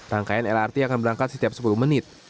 rangkaian lrt akan berangkat setiap sepuluh menit